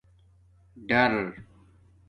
ڈَر